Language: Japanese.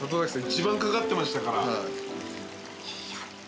一番掛かってましたから。